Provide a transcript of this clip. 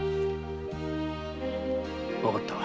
わかった。